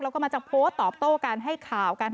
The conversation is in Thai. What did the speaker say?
แล้วก็มาจากโพสต์ตอบโต้การให้ข่าว